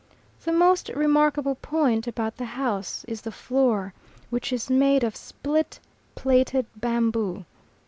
The most remarkable point about the house is the floor, which is made of split, plaited bamboo.